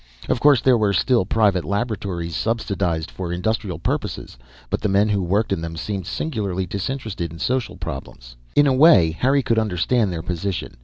Of course, there were still private laboratories subsidized for industrial purposes, but the men who worked in them seemed singularly disinterested in social problems. In a way, Harry could understand their position.